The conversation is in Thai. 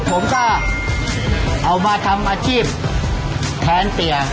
ผมก็เอามาทำอาชีพแทนเตีย